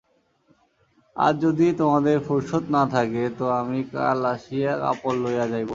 আজ যদি তোমাদের ফুরসৎ না থাকে তো আমি কাল আসিয়া কাপড় লইয়া যাইব।